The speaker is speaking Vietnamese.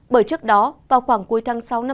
bởi trước đó vào khoảng cuối tháng sau